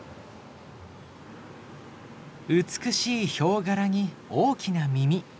美しいヒョウ柄に大きな耳。